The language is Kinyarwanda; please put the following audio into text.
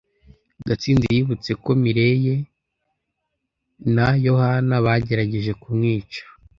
Gatsinzi yibutse ko Mirelle na Yohana bagerageje kumwica.